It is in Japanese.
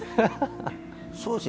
そうですね。